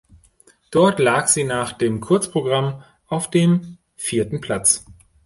Dort lag sie nach dem Kurzprogramm auf dem vierten Platz.